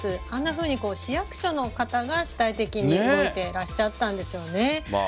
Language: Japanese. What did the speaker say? あんなふうに市役所の方が主体的に動いていらっしゃったんでしょうね。